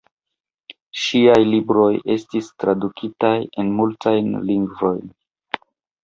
Ŝiaj libroj estis tradukitaj en multajn lingvojn.